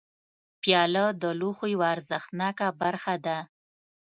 پیاله د لوښو یوه ارزښتناکه برخه ده.